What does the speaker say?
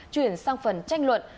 chuyển sang phần tranh luận